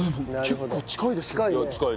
結構近いですね。近いね。